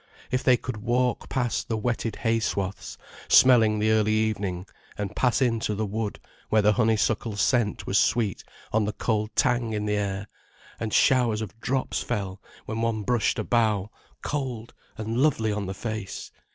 If they could walk past the wetted hay swaths, smelling the early evening, and pass in to the wood where the honeysuckle scent was sweet on the cold tang in the air, and showers of drops fell when one brushed a bough, cold and lovely on the face!